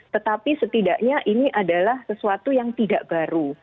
tetapi setidaknya ini adalah sesuatu yang tidak baru